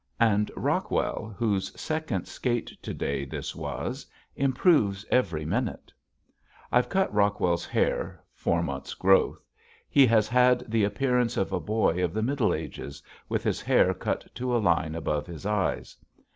And Rockwell whose second skate to day this was improves every minute. I've cut Rockwell's hair, four months' growth. He has had the appearance of a boy of the Middle Ages with his hair cut to a line above his eyes.